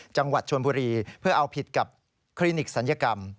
จังหวัดชนบุรีเพื่อเอาผิดกับคลินิกศัลยกรรม